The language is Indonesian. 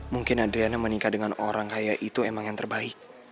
mungkin adriana menikah dengan orang kaya itu emang yang terbaik